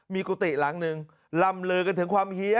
มีกุฏิหลังหนึ่งลำลือกันถึงความเฮีย